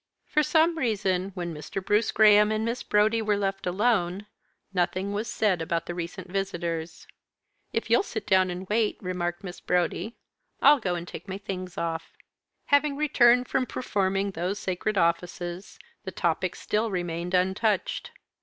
For some reason, when Mr. Bruce Graham and Miss Brodie were left alone, nothing was said about the recent visitors. "If you'll sit down and wait," remarked Miss Brodie, "I'll go and take my things off." Having returned from performing those sacred offices, the topic still remained untouched.